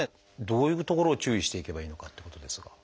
どういうところを注意していけばいいのかってことですが。